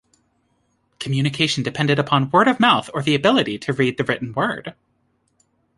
Communication depended upon word-of-mouth or the ability to read the written word.